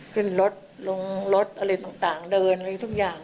ขึ้นรถลงรถอะไรต่างเดินอะไรทุกอย่าง